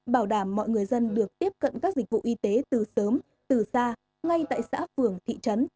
bảo đảm mọi người dân được tiếp cận các dịch vụ y tế từ sớm từ xa ngay tại xã phường thị trấn